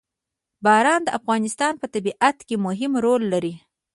باران د افغانستان په طبیعت کې مهم رول لري.